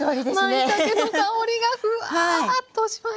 まいたけの香りがフワッとしました。